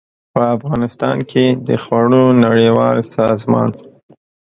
په افغانستان کې د خوړو نړیوال سازمان